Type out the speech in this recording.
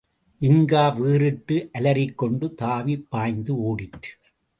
ஜின்கா வீறிட்டு அலறிக்கொண்டு தாவிப் பாய்ந்து ஓடிற்று.